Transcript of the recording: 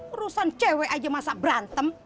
urusan cewek aja masa berantem